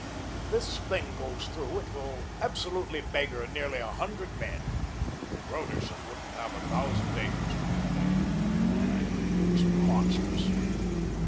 If this thing goes through, it will absolutely beggar nearly a hundred men. Broderson wouldn't have a thousand acres to his name. Why, it's monstrous."